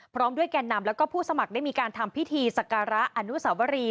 พร้อมด้วยแก่นำแล้วก็ผู้สมัครได้มีการทำพิธีสการะอนุสาวรี